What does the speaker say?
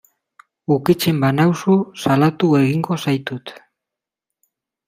Ukitzen banauzu salatu egingo zaitut.